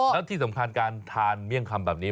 แล้วที่สำคัญการทานเมี่ยงคำแบบนี้